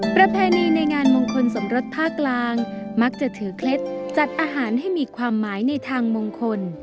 ประเพณีในงานมงคลสมรสภาคกลางมักจะถือเคล็ดจัดอาหารให้มีความหมายในทางมงคล